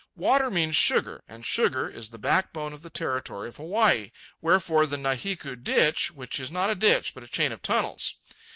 Water means sugar, and sugar is the backbone of the territory of Hawaii, wherefore the Nahiku Ditch, which is not a ditch, but a chain of tunnels.